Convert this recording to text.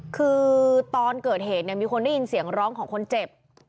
คือตอนเกิดเหตุเนี่ยมีคนได้ยินเสียงร้องของคนเจ็บ